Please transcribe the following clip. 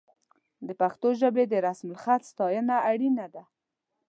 د پښتو ژبې د رسم الخط ساتنه اړینه ده.